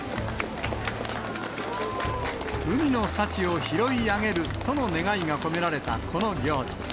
海の幸を拾い上げるとの願いが込められたこの行事。